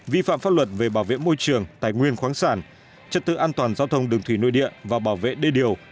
vi phạm pháp luật về bảo vệ môi trường tài nguyên khoáng sản chất tự an toàn giao thông đường thủy nội địa và bảo vệ đê điều